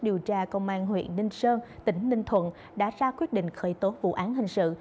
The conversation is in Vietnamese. điều tra công an huyện ninh sơn tỉnh ninh thuận đã ra quyết định khởi tố vụ án hình sự